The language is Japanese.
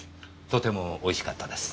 とてもおいしかったです。